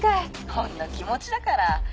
ほんの気持ちだから。